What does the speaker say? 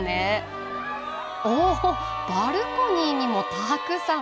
おおバルコニーにもたくさん。